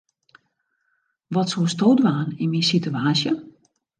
Wat soesto dwaan yn myn situaasje?